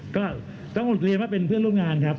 ก็ต้องเรียนว่าเป็นเพื่อนร่วมงานครับ